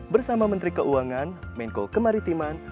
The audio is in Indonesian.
bersama menteri keuangan menko kemaritiman